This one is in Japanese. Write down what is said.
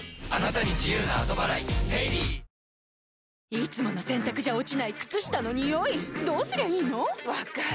いつもの洗たくじゃ落ちない靴下のニオイどうすりゃいいの⁉分かる。